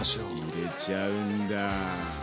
入れちゃうんだ。